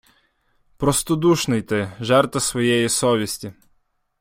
Простодушний ти, жертва своєї совісті.